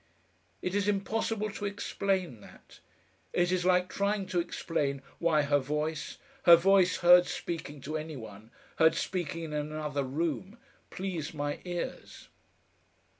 It is impossible to explain that. It is like trying to explain why her voice, her voice heard speaking to any one heard speaking in another room pleased my ears.